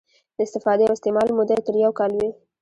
د استفادې او استعمال موده یې تر یو کال وي.